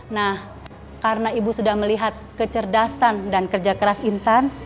nah karena ibu sudah melihat kecerdasan dan kerja keras intan